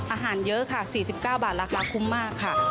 อาหารเยอะค่ะ๔๙บาทราคาคุ้มมากค่ะ